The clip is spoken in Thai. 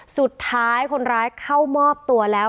สุดท้ายคนร้ายเข้ามอบตัวแล้ว